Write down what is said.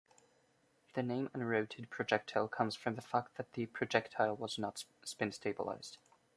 The name "unrotated projectile" comes from the fact that the projectile was not spin-stabilized.